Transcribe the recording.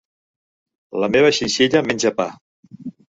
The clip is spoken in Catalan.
La meva xinxilla menja pa.